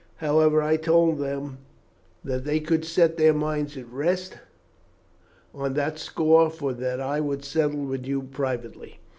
However, I told them that they could set their minds at rest on that score, for that I would settle with you privately.